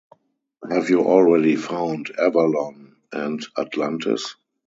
Have you already found Avalon and Atlantis?